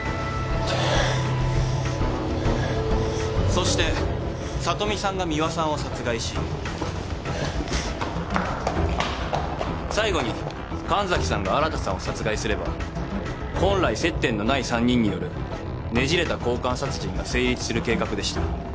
そして聡美さんが美和さんを殺害し最後に神崎さんが新さんを殺害すれば本来接点のない３人によるねじれた交換殺人が成立する計画でした。